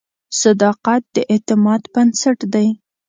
صداقت د اعتماد بنسټ دی.